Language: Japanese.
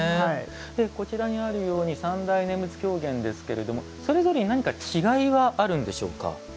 こちらにあるように三大念仏狂言ですけれどもそれぞれに何か違いはあるんでしょうか。